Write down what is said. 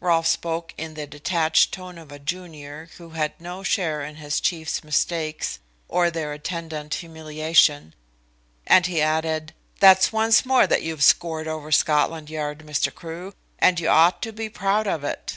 Rolfe spoke in the detached tone of a junior who had no share in his chief's mistakes or their attendant humiliation, and he added, "That's once more that you've scored over Scotland Yard, Mr. Crewe, and you ought to be proud of it."